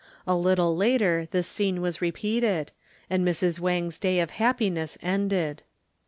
A little later this scene was repeated, and Mrs. Wang's day of happiness ended.